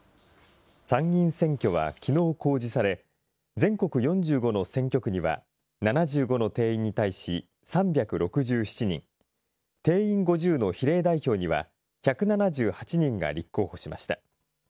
参議院選挙はきのう公示され、全国４５の選挙区には、７５の定員に対し３６７人、定員５０の比例代表には１７８人が立候補しました。